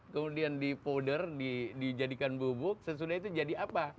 kemudian dipowder dijadikan bubuk sesudah itu jadi apa